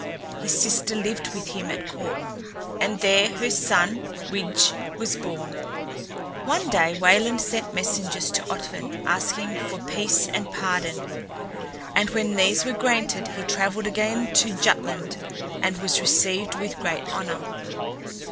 His sister lived with him at court, and there her son, Widge, was born. One day Wayland sent messengers to Otvin, asking for peace and pardon, and when these were granted he traveled again to Jutland and was received with great honor.